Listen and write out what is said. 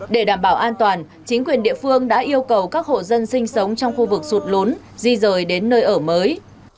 để đảm bảo an toàn chính quyền địa phương đã yêu cầu các hộ dân sinh sống trong khu vực sụt lún di rời đến nơi ở mới